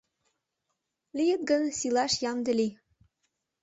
Лийыт гын, сийлаш ямде лий.